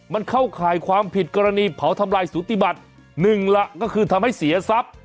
มันเข้าข่ายความผิดกรณีเผาทำลายสุธิบัติหนึ่งล่ะก็คือทำให้เสียทรัพย์